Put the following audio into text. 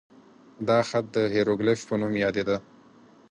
دا خط د هیروګلیف په نوم یادېده.